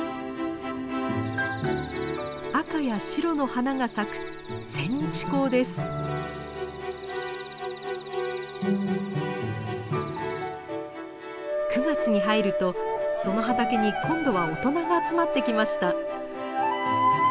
赤や白の花が咲く９月に入るとその畑に今度は大人が集まってきました。